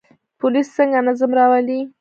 پولیس څنګه نظم راولي؟